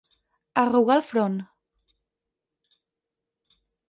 Arrugar el front.